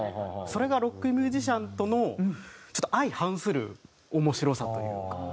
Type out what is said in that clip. それがロックミュージシャンとのちょっと相反する面白さというか。